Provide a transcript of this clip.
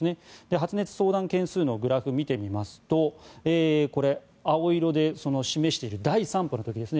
発熱相談のグラフを見てみますとこれ、青色で示している第３波の時ですね。